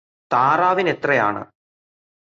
താറാവിനെത്രയാണ്?